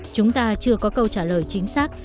chúng ta chưa có câu trả lời chính xác